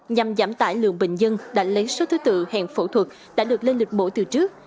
nhằm giảm tải lượng bệnh nhân đã lấy số thứ tự hẹn phẫu thuật đã được lên lịch mổ từ trước